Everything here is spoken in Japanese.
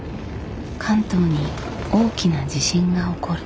関東に大きな地震が起こる。